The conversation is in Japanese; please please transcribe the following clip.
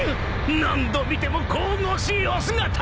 何度見ても神々しいお姿！］